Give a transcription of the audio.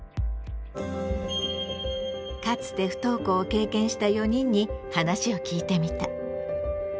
かつて不登校を経験した４人に話を聞いてみた。